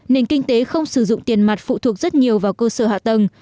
nền kinh tế không sử dụng tiền mặt phụ thuộc rất nhiều vào cơ sở hạ tầng